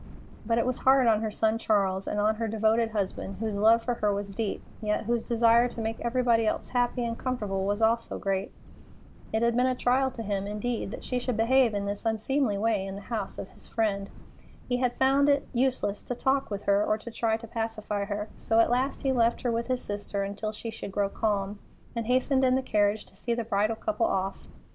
But it was hard on her son Charles, and on her devoted husband, whose love for her was deep, yet whose desire to make everybody else happy and comfortable was also great. It had been a trial to him, indeed, that she should behave in this unseemly way in the house of his friend. He had found it useless to talk with her or to try to pacify her, so at last he left her with his sister until she should grow calm, and hastened in the carriage to see the bridal couple off.